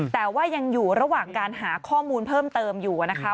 แต่ว่ายังอยู่ระหว่างการหาข้อมูลเพิ่มเติมอยู่นะคะ